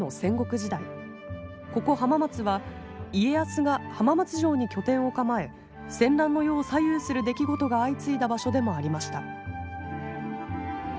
ここ浜松は家康が浜松城に拠点を構え戦乱の世を左右する出来事が相次いだ場所でもありました。